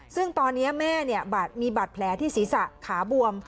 ซึ่งตอนนี้แม่มีบาดแผลที่ศีรษะขาบวม